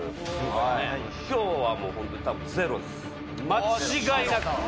間違いなく。